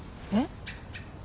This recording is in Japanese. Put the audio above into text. えっ？